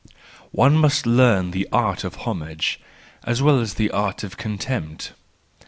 —One must learn the art of homage, as well as the art of contempt.